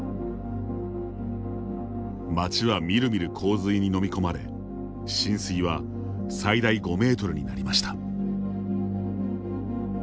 街はみるみる洪水に飲み込まれ浸水は最大５メートルになりました。